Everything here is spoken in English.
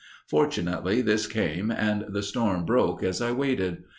Fortunately this came and the storm broke as I waited.